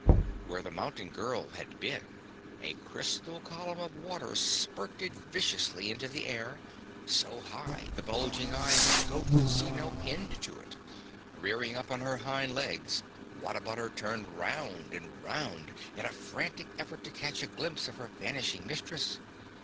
Where the mountain girl had been, a crystal column of water spurted viciously into the air, so high the bulging eyes of the goat could see no end to it. Rearing up on her hind legs, What a butter turned round and round in a frantic effort to catch a glimpse of her vanishing Mistress.